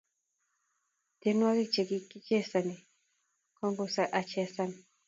tienwokik chekichesani kongusa achesan